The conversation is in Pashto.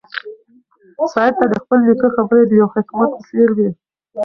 سعید ته د خپل نیکه خبرې د یو حکمت په څېر وې.